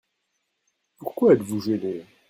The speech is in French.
Pourquoi êtes-vous gêné ?